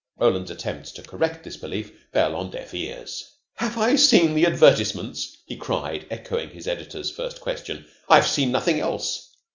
Roland's attempts to correct this belief fell on deaf ears. "Have I seen the advertisements?" he cried, echoing his editor's first question. "I've seen nothing else."